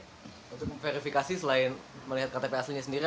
untuk memverifikasi selain melihat ktp aslinya sendiri